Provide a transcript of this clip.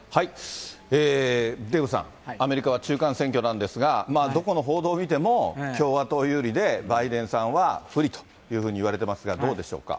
デーブさん、アメリカは中間選挙なんですが、どこの報道を見ても、共和党有利で、バイデンさんは不利というふうにいわれてますが、どうでしょうか。